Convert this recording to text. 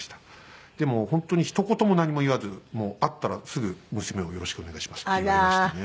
でも本当にひと言も何も言わずもう会ったらすぐ「娘をよろしくお願いします」って言われましたね。